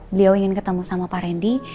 beliau ingin ketemu sama pak randy